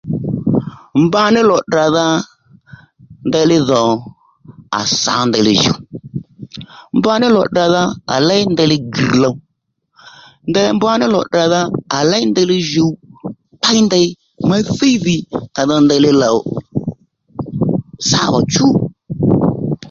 Mba ní lò tdràdha ndeyli dhò à sa ndeyli jùw mba ní lò tdràdha à léy ndeyli grr̀ low ndèy nì mba ní lò tdràdha à léy ndeylí jùw pey ndèy má thíy dhì kà dho ndeylí lòw sáwà chú